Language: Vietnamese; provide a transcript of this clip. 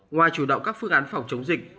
ngoài chủ động các phương án phòng chống dịch